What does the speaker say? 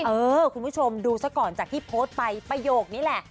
เออคุณผู้ชมดูซะก่อนจากที่โพสต์ไปประโยคนี้แหละ